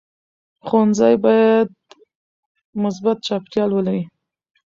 ښوونځی باید مثبت چاپېریال ولري.